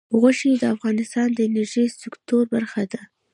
غوښې د افغانستان د انرژۍ سکتور برخه ده.